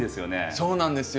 そうなんですよ。